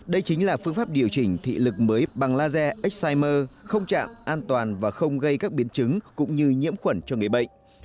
đây chính là phương pháp điều chỉnh thị lực mới bằng laser excimer không chạm an toàn và không gây các biến chứng cũng như nhiễm khuẩn cho người bệnh